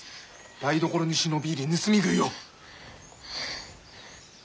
台所に忍び入り盗み食いを。